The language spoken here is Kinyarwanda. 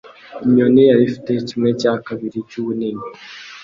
Inyoni yari ifite kimwe cya kabiri cy'ubunini.